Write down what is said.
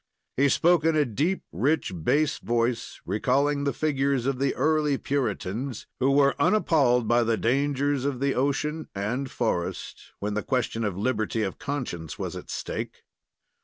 He spoke in a deep, rich, bass voice, recalling the figures of the early Puritans, who were unappalled by the dangers of the ocean and forest, when the question of liberty of conscience was at stake.